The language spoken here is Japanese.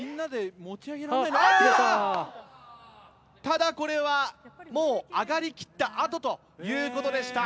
ただこれは上がりきった後ということでした。